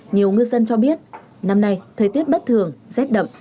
nhiều ngư dân cho biết năm nay thời tiết bất thường rét đậm